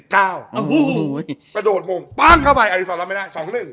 กระโดดมุมปั้งเข้าไปอาริซอลรับไม่ได้๒๑